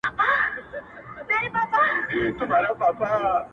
خیر لږ دي وي حلال دي وي پلارجانه,